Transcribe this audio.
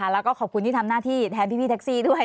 แล้วก็ขอบคุณที่ทำหน้าที่แทนพี่แท็กซี่ด้วย